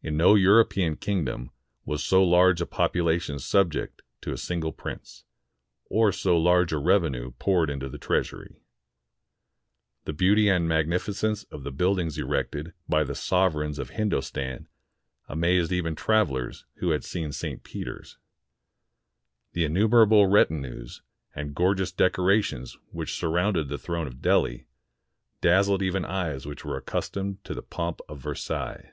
In no European kingdom was so large a population subject to a single prince, or so large a revenue poured into the treasury. The beauty and magnificence of the buildings erected by the sover eigns of Hindostan amazed even travelers who had seen St. Peter's. The innumerable retinues and gorgeous decorations which surrounded the throne of Delhi daz zled even eyes which were accustomed to the pomp of Versailles.